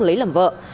lấy làm vợ